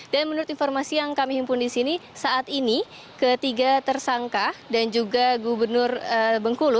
dan menurut informasi yang kami impun di sini saat ini ketiga tersangka dan juga gubernur bengkulu